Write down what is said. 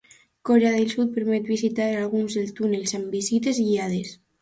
Corea del Sud permet visitar alguns dels túnels amb visites guiades.